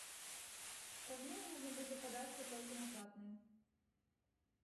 Пазней можна будзе падацца толькі на платнае.